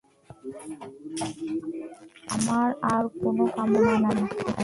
আমার আর-কোনো কামনা নাই।